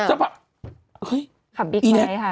เฮ้ยอีแน็ค